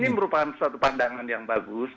ini merupakan suatu pandangan yang bagus